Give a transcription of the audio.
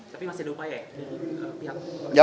tapi masih ada upaya ya